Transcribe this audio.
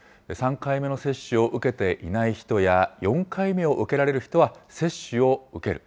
３回目の接種を受けていない人や、４回目を受けられる人は、接種を受ける。